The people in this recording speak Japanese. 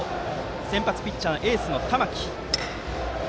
先発ピッチャーはエースの玉木。